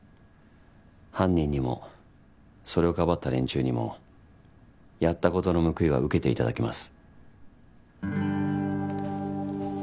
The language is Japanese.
犯人にもそれをかばった連中にもやったことの報いは受けていただきます。